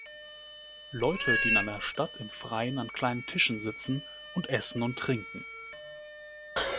Leute, die in einer Stadt im Freien an kleinen Tischen sitzen und essen und trinken.